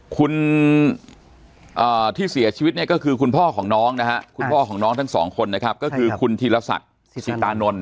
คุณที่เสียชีวิตเนี่ยก็คือคุณพ่อของน้องนะฮะคุณพ่อของน้องทั้งสองคนนะครับก็คือคุณธีรศักดิ์ชิตานนท